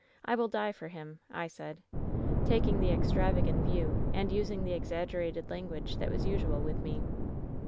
I will die for him,' I said, taking the extrava gant view and using the exaggerated language that was usual with me.